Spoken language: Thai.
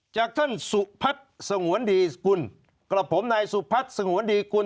จากท่านสุพัทธ์สงวนดีกล